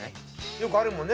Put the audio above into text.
よくあるもんね。